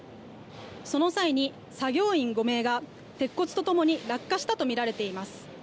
その際に作業員５名が鉄骨とともに落下したとみられます。